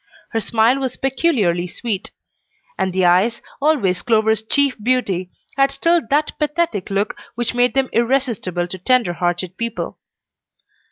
Her smile was peculiarly sweet; and the eyes, always Clover's chief beauty, had still that pathetic look which made them irresistible to tender hearted people.